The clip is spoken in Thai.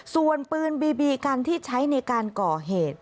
ส่วนปืนบีบีกันที่ใช้ในการก่อเหตุ